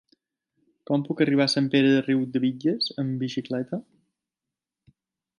Com puc arribar a Sant Pere de Riudebitlles amb bicicleta?